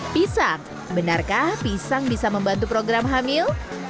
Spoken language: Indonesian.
pisang benarkah pisang bisa membantu program hamil